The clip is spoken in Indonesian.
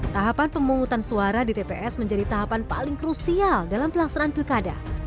tahapan pemungutan suara di tps menjadi tahapan paling krusial dalam pelaksanaan pilkada